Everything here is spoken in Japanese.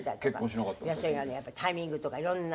それがねタイミングとかいろんな。